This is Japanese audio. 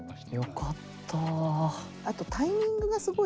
よかった！